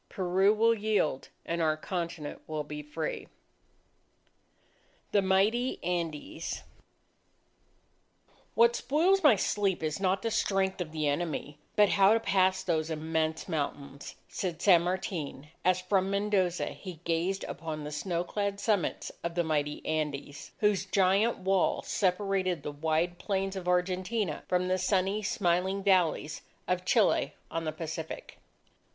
Peru will yield, and our continent will be free! THE MIGHTY ANDES "What spoils my sleep, is not the strength of the enemy, but how to pass those immense mountains," said San Martin, as from Mendoza he gazed upon the snow clad summits of the mighty Andes, whose giant wall separated the wide plains of Argentina from the sunny smiling valleys of Chile on the Pacific.